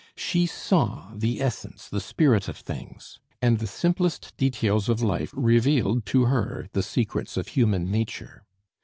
She saw the essence, the spirit of things, and the simplest details of life revealed to her the secrets of human nature.